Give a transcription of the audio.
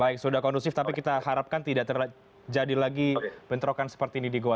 baik sudah kondusif tapi kita harapkan tidak terjadi lagi bentrokan seperti ini di goa